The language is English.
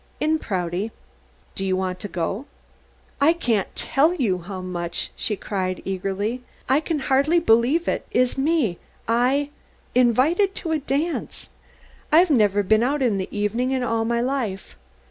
"In Prouty." "Do you want to go?" "I can't tell you how much!" she cried eagerly. "I can hardly believe it is me I invited to a dance. I've never been out in the evening in all my life.